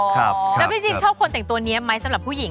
แล้วพี่จิมชอบคนแต่งตัวนี้ไหมสำหรับผู้หญิง